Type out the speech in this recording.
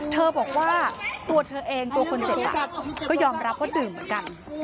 เธอบอกว่าตัวเธอเองตัวคนเจ็บก็ยอมรับว่าดื่มเหมือนกัน